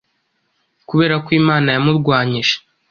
Kubera ko Imana yamurwanyije